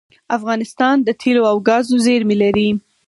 افغانستان د تیلو او ګازو زیرمې لري